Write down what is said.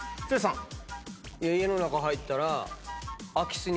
家の中入ったら。